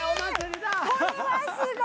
これはすごい！